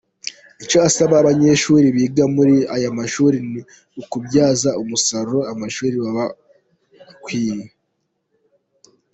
Icyo asaba abanyeshuri biga muri aya mashuri ni ukubyaza umusaruro amashuri bubakiwe.